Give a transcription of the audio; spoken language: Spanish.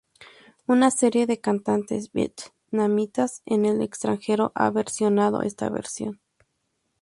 Una serie de cantantes vietnamitas en el extranjero han versionado esta versión.